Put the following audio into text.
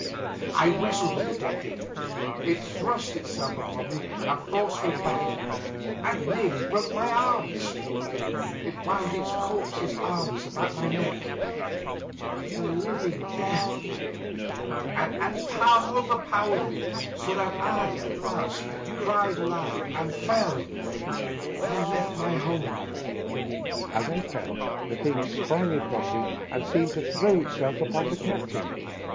I wrestled with the dead thing ; it thrust itseK upon me and forced me back and nearly broke my arms ; it wound its corpse's arms about my neck — the living death — and overpowered me, so that I, at last, cried aloud and fell, and left my hold. As I fell the thing sprang across me, and Seemed to throw itseK upon the captain.